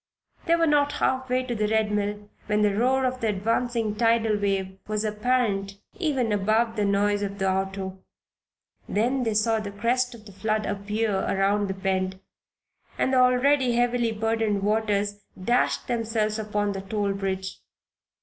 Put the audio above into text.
They were not half way to the Red Mill when the roar of the advancing tidal wave was apparent even above the noise of the auto. Then they saw the crest of the flood appear around the bend and the already heavily burdened waters dashed themselves upon the toll bridge.